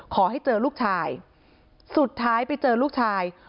ขอให้เจอลูกชายสุดท้ายไปเจอลูกชาย